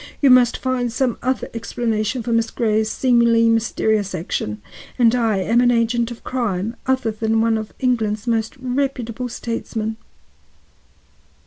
You must find some other explanation for Miss Grey's seemingly mysterious action, and I an agent of crime other than one of England's most reputable statesmen."